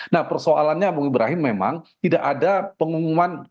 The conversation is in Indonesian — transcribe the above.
nah persoalannya bung ibrahim memang tidak ada pengumuman